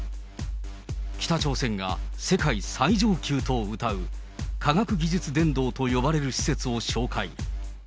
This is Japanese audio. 北朝鮮が世界最上級とうたう科学技術殿堂と呼ばれる施設を紹介。